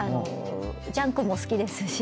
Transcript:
ジャンクも好きですし。